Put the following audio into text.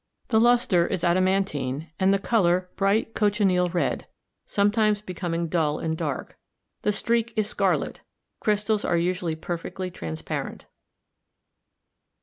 The luster is adaman tine and the color bright cochineal red, sometimes becom ing dull and dark ; the streak is scarlet ; crystals are usually perfectly transparent.